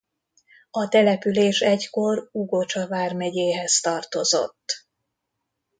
A település egykor Ugocsa vármegyéhez tartozott.